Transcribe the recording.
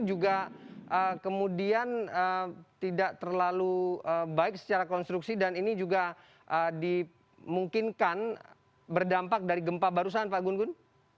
jadi bahwa ini juga kemudian tidak terlalu baik secara konstruksi dan ini juga dimungkinkan berdampak dari gempa barusan pak gun gun